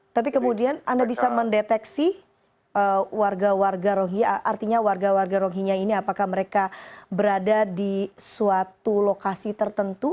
tapi kemudian anda bisa mendeteksi warga warga rohingnya ini apakah mereka berada di suatu lokasi tertentu